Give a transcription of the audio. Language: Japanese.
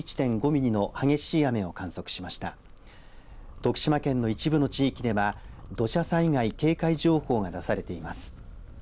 徳島県の一部の地域では土砂災害警戒情報が出されています。